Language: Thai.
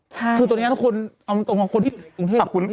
คือตัวนี้ต้องเอามาตรงกับคนที่อยู่ในกรุงเทพฯ